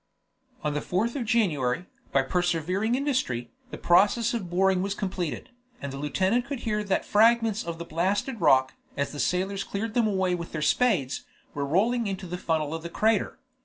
On the 4th of January, by persevering industry, the process of boring was completed, and the lieutenant could hear that fragments of the blasted rock, as the sailors cleared them away with their spades, were rolling into the funnel of the crater.